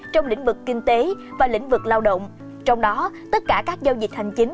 trong lĩnh vực kinh tế và lĩnh vực lao động trong đó tất cả các giao dịch hành chính